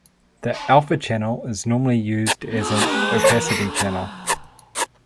The alpha channel is normally used as an opacity channel.